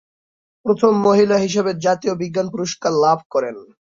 প্রথম মহিলা হিসেবে জাতীয় বিজ্ঞান পুরস্কার লাভ করেন।